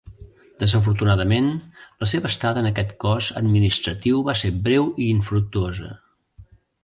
Desafortunadament, la seva estada en aquest cos administratiu va ser breu i infructuosa.